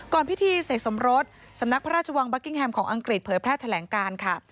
พิธีเสกสมรสสำนักพระราชวังบัคกิ้งแฮมของอังกฤษเผยแพร่แถลงการค่ะ